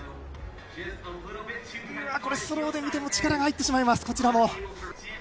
これ、スローで見ても力が入ってしまいます、こちらも。